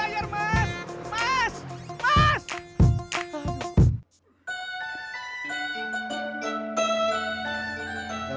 tuh udah deh pak saya mau pamit dulu